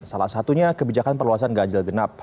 salah satunya kebijakan perluasan ganjil genap